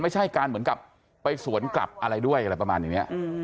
ไม่ใช่การเหมือนกับไปสวนกลับอะไรด้วยอะไรประมาณอย่างนี้